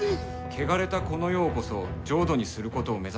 「汚れたこの世をこそ浄土にすることを目指せ」。